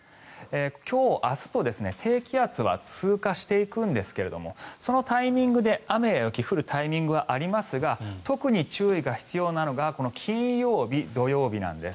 今日明日と低気圧は通過していくんですがそのタイミングで、雨や雪降るタイミングはありますが特に注意が必要なのがこの金曜日、土曜日なんです。